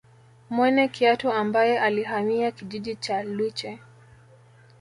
Mwene Kiatu ambaye alihamia kijiji cha Lwiche